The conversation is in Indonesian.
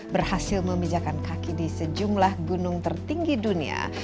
berhasil memijakan kaki di sejumlah gunung tertinggi dunia